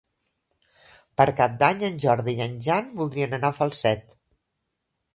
Per Cap d'Any en Jordi i en Jan voldrien anar a Falset.